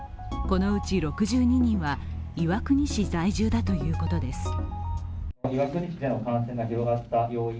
このうち６２人は岩国市在住だということです。